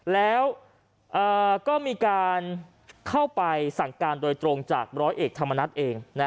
แล้วก็มีการเข้าไปสั่งการโดยตรงจากร้อยเอกธรรมนัฐเอง